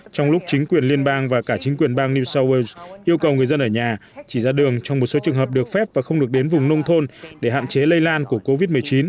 trong lúc chính quyền liên bang và cả chính quyền bang new south wales yêu cầu người dân ở nhà chỉ ra đường trong một số trường hợp được phép và không được đến vùng nông thôn để hạn chế lây lan của covid một mươi chín